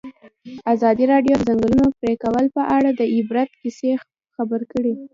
ازادي راډیو د د ځنګلونو پرېکول په اړه د عبرت کیسې خبر کړي.